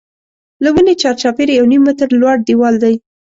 له ونې چار چاپېره یو نیم متر لوړ دیوال دی.